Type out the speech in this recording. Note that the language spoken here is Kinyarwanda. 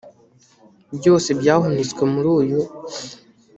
byose byahunitswe muri uyu